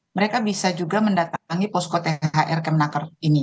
mereka bisa juga mendatangi posko thr kemnaker ini